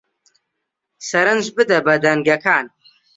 سرنج بدە بە دەنگەکان